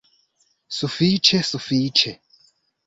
Sufiĉe, sufiĉe!